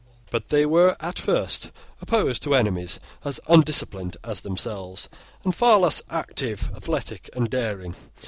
But they were at first opposed to enemies as undisciplined as themselves, and far less active, athletic, and daring.